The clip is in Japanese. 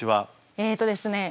えっとですね